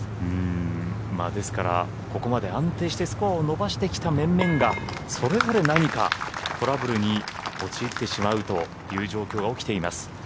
ですから、ここまで安定してスコアを伸ばしてきた面々がそれぞれ何かトラブルに陥ってしまうという状況が起きています。